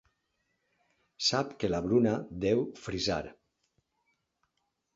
Sap que la Bruna deu frisar.